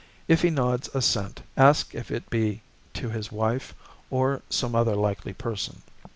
If he nods assent, ask if it be to his wife or some other likely person.